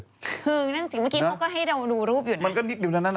คือนั่งจริงเมื่อกี้เขาก็ให้เรารูดูรูปอยู่นี่